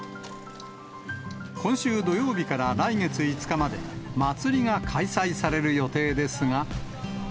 今週土曜日から来月５日まで、祭りが開催される予定ですが。